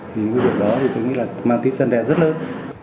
những việc đó tôi nghĩ là mang tích dân đẹp rất lớn